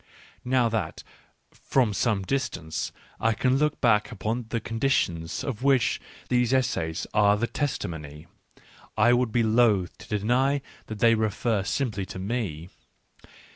Now that, from some distance, I can look back upon the conditions of which these essays are the testimony, I would be loth to deny that they refer simply to me.